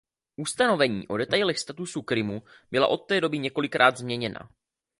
Ustanovení o detailech statusu Krymu byla od té doby několikrát změněna.